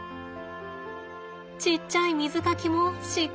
ちっちゃい水かきもしっかりある。